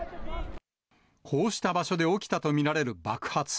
こうした場所で起きたと見られる爆発。